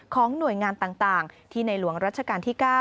ของหน่วยงานต่างที่ในหลวงรัชกาลที่๙